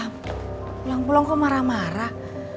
pulang pulang kok marah marah